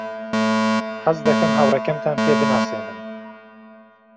حەز دەکەم هاوڕێکەمتان پێ بناسێنم.